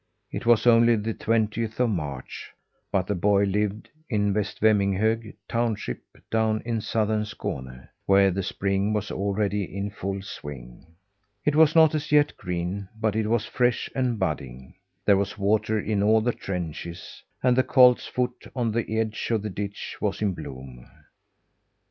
It was only the twentieth of March; but the boy lived in West Vemminghög Township, down in Southern Skane, where the spring was already in full swing. It was not as yet green, but it was fresh and budding. There was water in all the trenches, and the colt's foot on the edge of the ditch was in bloom.